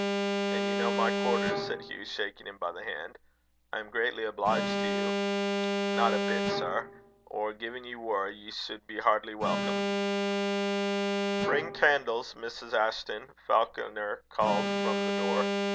"And you know my quarters," said Hugh, shaking him by the hand. "I am greatly obliged to you." "Not a bit, sir. Or gin ye war, ye sud be hertily welcome." "Bring candles, Mrs. Ashton," Falconer called from the door.